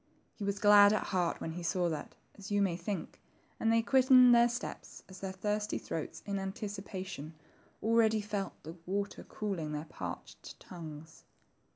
He was glad at heart when he saw that, as you may think, and they quickened their steps as their thirsty throats, in anticipation, already felt the water cooling their parched tongues.